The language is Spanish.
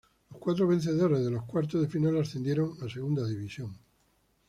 Los cuatro vencedores de los cuartos de final ascendieron a Segunda División.